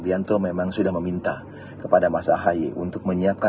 ketua umum demokrat siapa